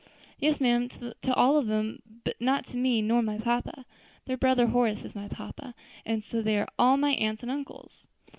"Yes, ma'am, to all of them, but not to me nor my papa. Their brother Horace is my papa, and so they are all my aunts and uncles."